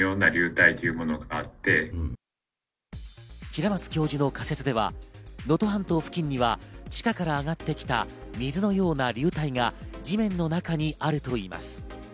平松教授の仮説では能登半島付近には、中からあがってきた水のような流体が地面の中にあるといいます。